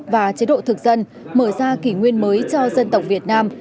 và chế độ thực dân mở ra kỷ nguyên mới cho dân tộc việt nam